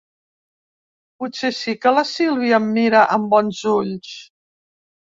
Potser sí que la Sílvia em mira amb bons ulls.